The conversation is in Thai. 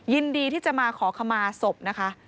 ยินดีที่จะมาขอขมาศพนะคะ